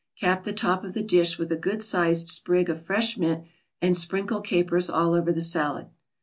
Cap the top of the dish with a good sized sprig of fresh mint, and sprinkle capers all over the salad.